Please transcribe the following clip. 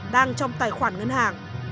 đang trong tài khoản ngân hàng